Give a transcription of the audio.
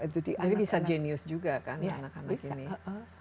jadi bisa jenius juga kan anak anak gini